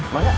aceh ada em